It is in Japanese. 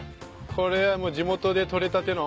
これはもう地元で取れたての。